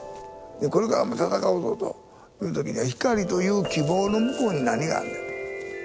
これからも闘うぞという時には光という希望の向こうに何があんのやと。